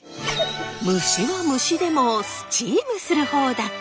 ムシはムシでもスチームする方だった。